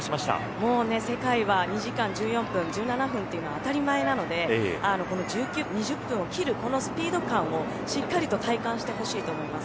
もう世界は２時間１４分、１７分というのは当たり前なのでこの２０分を切るこのスピード感をしっかりと体感してほしいと思います。